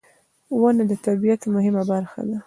• ونه د طبیعت مهمه برخه ده.